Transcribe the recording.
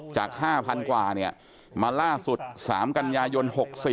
จาก๕๐๐๐กว่ามาล่าสุด๓กันยายน๖๔